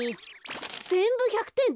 ぜんぶ１００てん！